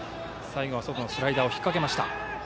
最後は外のスライダー引っ掛けました。